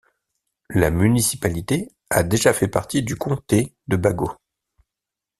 La municipalité a déjà fait partie du comté de Bagot.